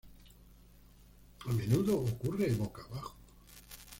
A menudo ocurre boca abajo.